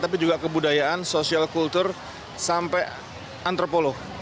tapi juga kebudayaan sosial kultur sampai antropolog